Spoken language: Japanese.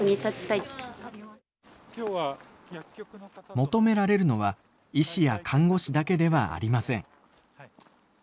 求められるのは医師や看護師だけではありません。